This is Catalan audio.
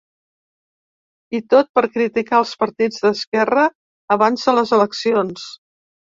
I tot per criticar els partits d’esquerra abans de les eleccions.